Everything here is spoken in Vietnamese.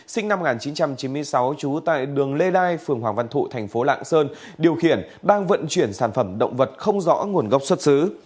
sinh năm một nghìn chín trăm chín mươi sáu trú tại đường lê lai phường hoàng văn thụ thành phố lạng sơn điều khiển đang vận chuyển sản phẩm động vật không rõ nguồn gốc xuất xứ